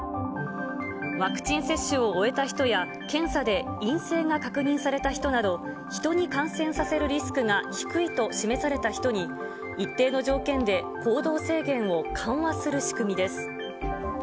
ワクチン接種を終えた人や、検査で陰性が確認された人など、人に感染させるリスクが低いと示された人に、一定の条件で行動制限を緩和する仕組みです。